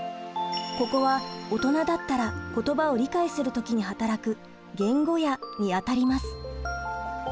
ここは大人だったら言葉を理解する時に働く言語野にあたります。